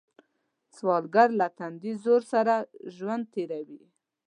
سوالګر له تندي زور سره ژوند تېروي